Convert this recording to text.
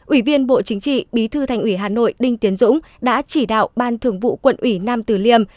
ủy viên bộ chính trị bí thư thành ủy hà nội đinh tiến dũng đã chỉ đạo ban thường vụ quận ủy nam tử liêm